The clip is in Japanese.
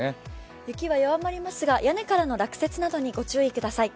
雪は弱まりますが、屋根からの落雪にご注意ください。